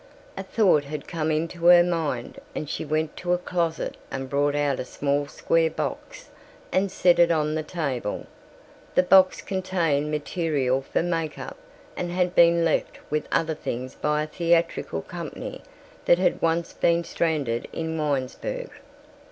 A thought had come into her mind and she went to a closet and brought out a small square box and set it on the table. The box contained material for make up and had been left with other things by a theatrical company that had once been stranded in Winesburg.